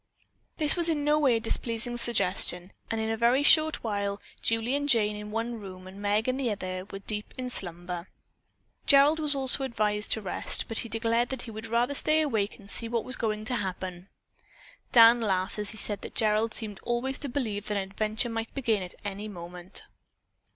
This was in no way a displeasing suggestion and in a very short while Julie and Jane in one room and Meg in the other were deep in slumber. Gerald was also advised to rest, but he declared that he would rather stay awake and see what was going to happen. Dan laughed as he said that Gerald seemed always to believe that an adventure might begin at any moment.